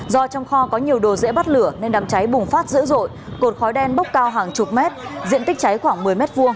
do trong kho có nhiều đồ dễ bắt lửa nên đám cháy bùng phát dữ dội cột khói đen bốc cao hàng chục mét diện tích cháy khoảng một mươi m hai